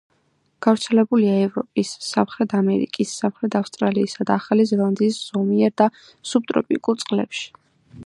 გავრცელებულია ევროპის, სამხრეთ ამერიკის, სამხრეთ ავსტრალიისა და ახალი ზელანდიის ზომიერ და სუბტროპიკულ წყლებში.